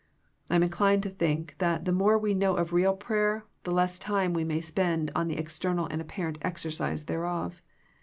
I am inclined to think that the more we know of real prayer the less time we may spend in the external and apparent exercise thereof.